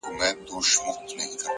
ښه به وي چي دا يې خوښـــه ســـوېده.!